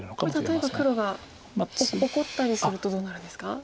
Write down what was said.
これ例えば黒が怒ったりするとどうなるんですか？